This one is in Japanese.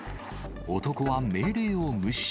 男は命令を無視。